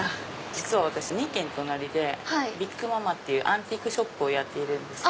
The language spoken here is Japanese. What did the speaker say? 実は私２軒隣でＢＩＧＭＡＭＡっていうアンティークショップをやっているんです。